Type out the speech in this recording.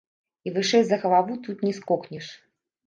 І вышэй за галаву тут не скокнеш.